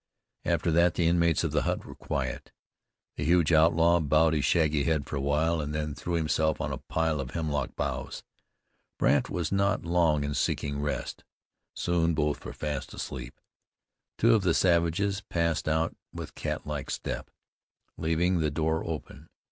After that the inmates of the hut were quiet. The huge outlaw bowed his shaggy head for a while, and then threw himself on a pile of hemlock boughs. Brandt was not long in seeking rest. Soon both were fast asleep. Two of the savages passed out with cat like step, leaving the door open.